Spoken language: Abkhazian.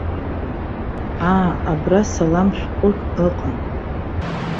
Аа, абра салам шәҟәык ыҟан.